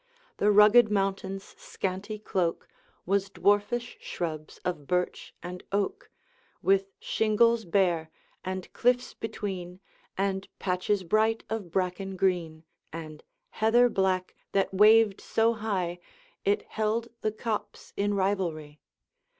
The rugged mountain's scanty cloak Was dwarfish shrubs of birch and oak With shingles bare, and cliffs between And patches bright of bracken green, And heather black, that waved so high, It held the copse in rivalry.